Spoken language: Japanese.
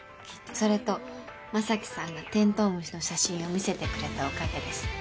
それと将貴さんがてんとうむしの写真を見せてくれたおかげです。